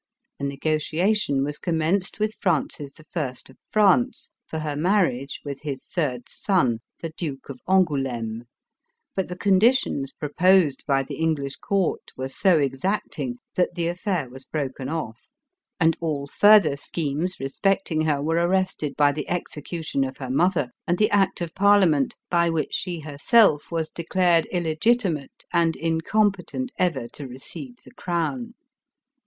A 276 ELIZABETH OF ENGLAND. negotiation was commenced with Francis I. of France, for her marriage with his third son, the Duke of An gouleme, but the conditions proposed by the English court were so exacting, that the affair was broken off; and all further schemes respecting her were arrested by the execution of her mother and the act of parliament by which she herself was declared illegitimate and in competent ever to receive the crown.